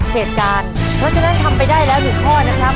เหตุการณ์เพราะฉะนั้นทำไปได้แล้ว๑ข้อนะครับ